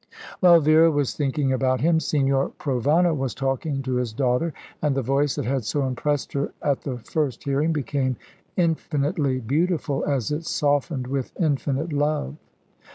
While Vera was thinking about him, Signor Provana was talking to his daughter, and the voice that had so impressed her at the first hearing, became infinitely beautiful as it softened with infinite love.